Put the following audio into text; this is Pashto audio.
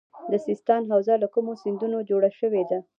د سیستان حوزه له کومو سیندونو جوړه شوې؟